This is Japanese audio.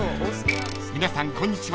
［皆さんこんにちは